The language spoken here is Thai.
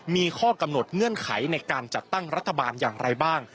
มีข้อกำหนดเงื่อนไขในการจัดตั้งรัฐบาลอย่างไรบ้าง